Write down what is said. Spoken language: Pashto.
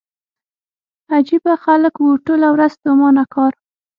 عجيبه خلک وو ټوله ورځ ستومانه کار.